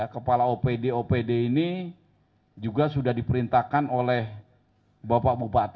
kepala opd opd ini juga sudah diperintahkan oleh bapak bupati